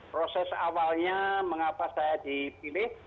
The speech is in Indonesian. proses awalnya mengapa saya dipilih